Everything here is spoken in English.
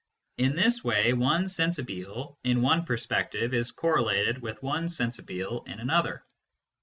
In this way one " sensibile " in one perspective is correlated with one " sensibile " in another.